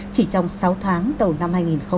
chỉ trong sáu tháng đầu năm hai nghìn một mươi chín